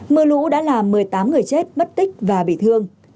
mưa lũ đã làm một mươi tám người chết mất tích và bị thương